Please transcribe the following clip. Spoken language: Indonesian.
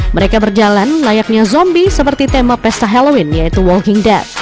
mereka berjalan layaknya zombie seperti tema pesta halloween yaitu walhing death